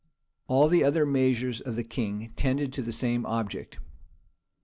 All the other measures of the king tended to the same object.